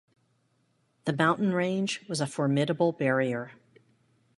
The mountain range was a formidable barrier.